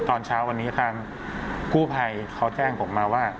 ตอนเช้าวันนี้ทางกู้ภัยเขาแจ้งผมมาว่า